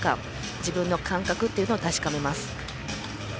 自分の感覚というのを確かめます。